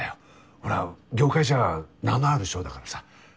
ほら業界じゃ名のある賞だからさ。